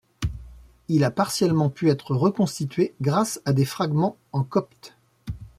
Il a partiellement pu être reconstitué grâce à des fragments en copte.